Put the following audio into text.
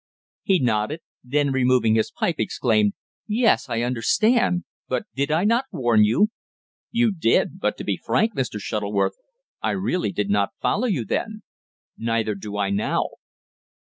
He nodded. Then, removing his pipe, exclaimed "Yes. I understand. But did I not warn you?" "You did. But, to be frank, Mr. Shuttleworth, I really did not follow you then. Neither do I now."